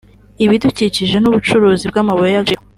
ibidukije n’ubucuruzi bw’amabuye y’agaciro)